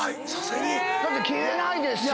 だって着れないですし。